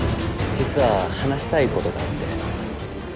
実は話したいことがあって。